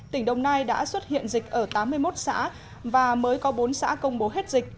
tỉnh đồng nai đã xuất hiện dịch ở tám mươi một xã và mới có bốn xã công bố hết dịch